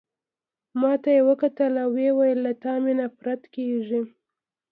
ما ته يې وکتل او ويې ویل: له تا مي نفرت کیږي.